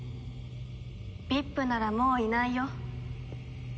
ＶＩＰならもういないよ。